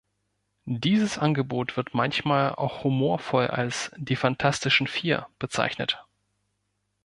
Dieses Angebot wird manchmal auch humorvoll als "Die fantastischen Vier bezeichnet".